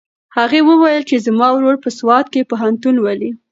هغې وویل چې زما ورور په سوات کې پوهنتون لولي.